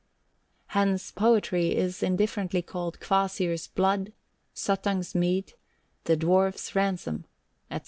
Hence poetry is indifferently called Kvasir's blood, Suttung's mead, the dwarf's ransom, etc.